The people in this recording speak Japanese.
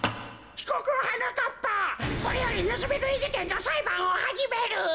ひこくはなかっぱこれよりぬすみぐいじけんのさいばんをはじめる。